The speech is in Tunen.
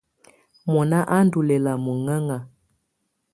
Mɔná á ndɔ lɛ́la mɔŋɛŋa.